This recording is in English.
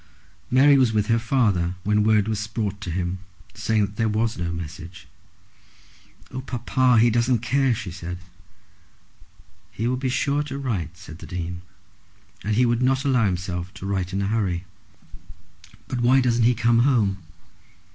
Mary was with her father when word was brought to him, saying that there was no message. "Oh, papa, he doesn't care!" she said. "He will be sure to write," said the Dean, "and he would not allow himself to write in a hurry." "But why doesn't he come?"